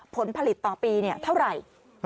ผลผลิตต่อปีเท่าไหร่